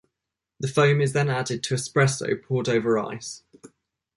The foam is then added to espresso poured over ice.